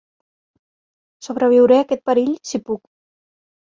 Sobreviuré aquest perill, si puc.